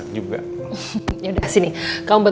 kamu juga kena ya